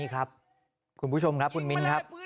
คุณผู้ชมครับคุณมิ้นครับ